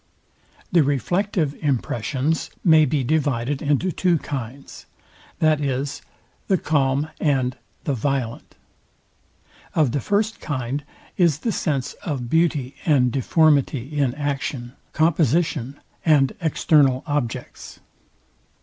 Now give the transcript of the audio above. The reflective impressions may be divided into two kinds, viz. the calm and the VIOLENT. Of the first kind is the sense of beauty and deformity in action, composition, and external objects.